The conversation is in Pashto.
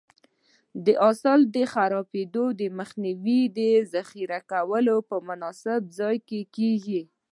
د حاصل د خرابېدو مخنیوی د ذخیره کولو په مناسب ځای کې کېږي.